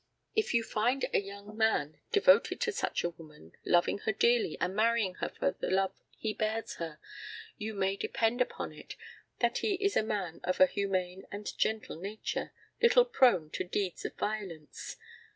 If you find a young man devoted to such a woman, loving her dearly, and marrying her for the love he bears her, you may depend upon it that he is a man of a humane and gentle nature, little prone to deeds of violence.